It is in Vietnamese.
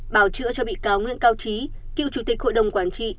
bào chữa cho bị cáo nguyễn cao trí cựu chủ tịch hội đồng quản trị